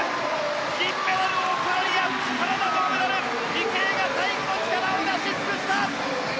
銀メダル、オーストラリアカナダ、銅メダル池江が最後の力を出し尽くした！